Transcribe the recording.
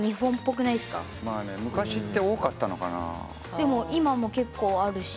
でも今も結構あるし。